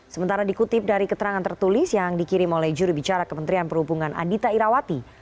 sementara dikutip dari keterangan tertulis yang dikirim oleh juri bicara kementerian perhubungan adita irawati